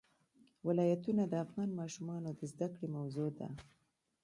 ولایتونه د افغان ماشومانو د زده کړې موضوع ده.